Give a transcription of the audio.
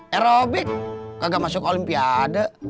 aerobik gak masuk olimpiade